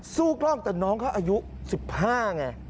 กล้องแต่น้องเขาอายุ๑๕ไง